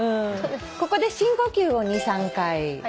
ここで深呼吸を２３回。